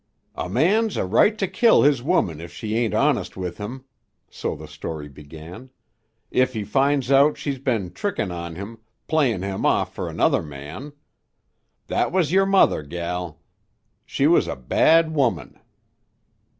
"A man's a right to kill his woman if she ain't honest with him," so the story began; "if he finds out she's ben trickin' of him, playin' him off fer another man. That was yer mother, gel; she was a bad woman."